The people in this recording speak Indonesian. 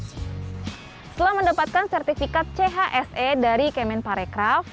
setelah mendapatkan sertifikat chse dari kemenparecraft